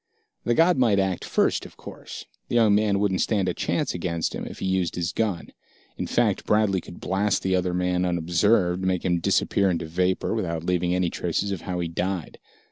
The god might act first, of course. The young man wouldn't stand a chance against him if he used his gun. In fact, Bradley could blast the other man unobserved, make him disappear into vapor, without leaving any traces of how he died.